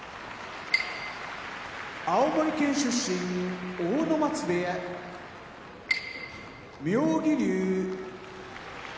青森県出身阿武松部屋妙義龍